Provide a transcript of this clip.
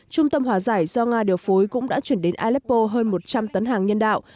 trung tâm hòa giải do nga điều phối cũng đã chuyển đến aleppo hơn một trăm linh tấn hàng nhân đạo